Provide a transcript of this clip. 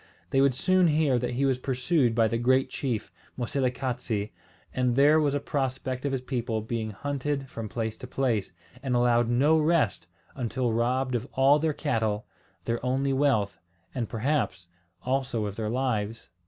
They would soon hear that he was pursued by the great chief Moselekatse, and there was a prospect of his people being hunted from place to place, and allowed no rest until robbed of all their cattle, their only wealth, and perhaps also of their lives.